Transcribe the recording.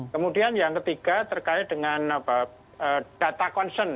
kemudian yang ketiga terkait dengan data concern